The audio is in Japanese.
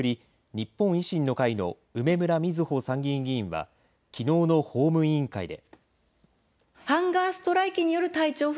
日本維新の会の梅村みずほ参議院議員はきのうの法務委員会で。